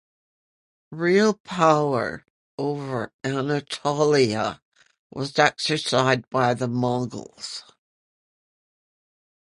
Real power over Anatolia was exercised by the Mongols.